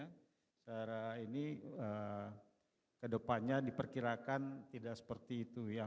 secara ini kedepannya diperkirakan tidak seperti itu ya